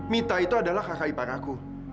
mita itu adalah kakak ipang aku